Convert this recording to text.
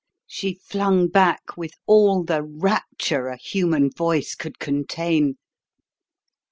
she flung back with all the rapture a human voice could contain.